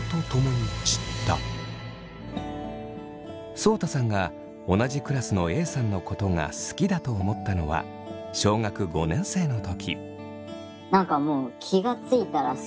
そうたさんが同じクラスのＡさんのことが好きだと思ったのは小学５年生の時。